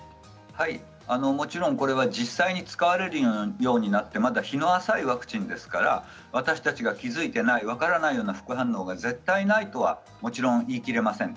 もちろんこれは実際に使われるようになって日の浅いワクチンですから私たちが気付いていない分からない副反応が絶対ないとは言いきれません。